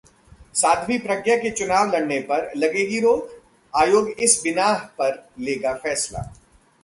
साध्वी प्रज्ञा के चुनाव लड़ने पर लगेगी रोक? आयोग इस बिनाह पर लेगा फैसला